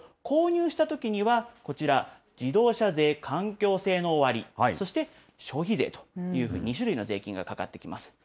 購入したときにはこちら、自動車税、環境性能割、そして消費税という、２種類の税金がかかってきます。